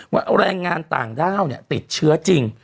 ว่าแรงงานต่างด้าวติดเชื้อจริง